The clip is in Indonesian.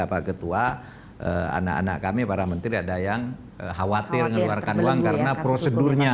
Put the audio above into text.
pak ketua anak anak kami para menteri ada yang khawatir mengeluarkan uang karena prosedurnya